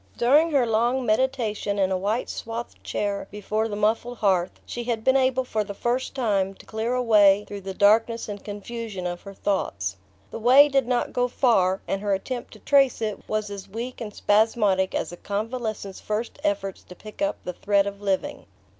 During her long meditation in a white swathed chair before the muffled hearth she had been able for the first time to clear a way through the darkness and confusion of her thoughts. The way did not go far, and her attempt to trace it was as weak and spasmodic as a convalescent's first efforts to pick up the thread of living.